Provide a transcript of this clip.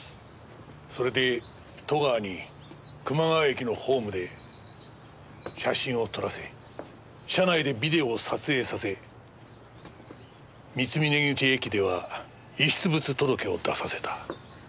それで戸川に熊谷駅のホームで写真を撮らせ車内でビデオを撮影させ三峰口駅では遺失物届を出させた。